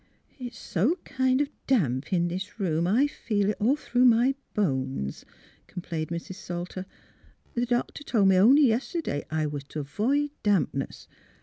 ^' It's so kind of damp in this room, I feel it all through my bones," complained Mrs. Salter. *' The doctor told me only yest'd'y I was t' avoid dampness.